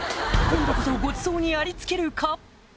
今度こそごちそうにありつけるか？